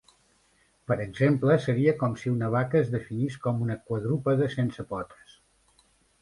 Per exemple, seria com si una vaca es definís com un quadrúpede sense potes.